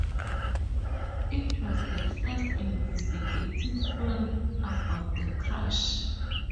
It was the first investigative film about the crash.